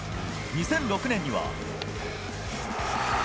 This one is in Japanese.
２００６年には。